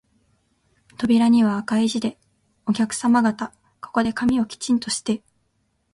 扉には赤い字で、お客さま方、ここで髪をきちんとして、